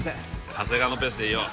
長谷川のペースでいいよ